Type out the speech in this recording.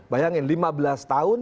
bayangin lima belas tahun